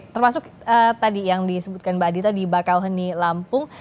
termasuk tadi yang disebutkan mbak adita di bakauheni lampung